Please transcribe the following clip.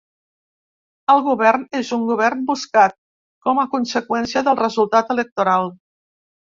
El govern és un govern buscat, com a conseqüència del resultat electoral.